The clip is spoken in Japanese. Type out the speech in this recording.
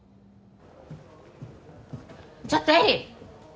ちょっと絵里！